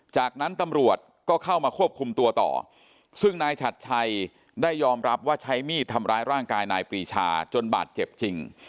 จากนั้นตำรวจก็เข้ามาควบคุมตัวต่อซึ่งนายฉัดชัยได้ยอมรับว่าใช้มีดทำร้ายร่างกายนายปรีชาจนบาดเจ็บจริง